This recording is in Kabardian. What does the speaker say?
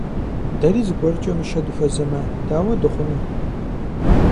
Дэри зыгуэркӀэ мыщэ дыхуэзэмэ, дауэ дыхъуну?